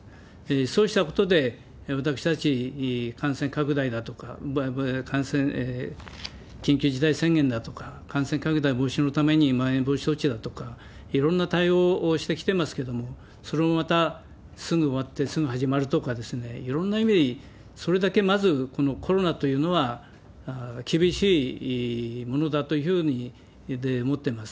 そうしたことで、私たち、感染拡大だとか、緊急事態宣言だとか、感染拡大防止のためにまん延防止措置だとか、いろんな対応をしてきてますけれども、それもまたすぐ終わって、すぐ始まるとか、いろんな意味で、それだけまず、このコロナというのは厳しいものだというふうに思ってます。